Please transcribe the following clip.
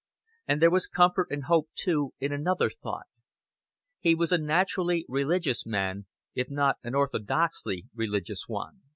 And there was comfort and hope, too, in another thought. He was a naturally religious man, if not an orthodoxly religious one.